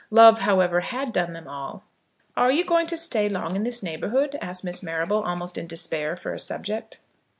Love, however, had done them all. "Are you going to stay long in this neighbourhood?" asked Miss Marrable, almost in despair for a subject.